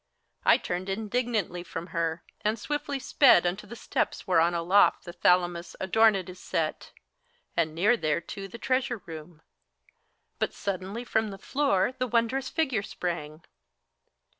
I turned indignantly from her, and swiftly sped Unto the steps whereon aloft the Thalamos Adorned is set, and near thereto the treasure room : But suddenly from the floor the wondrous figure sprang.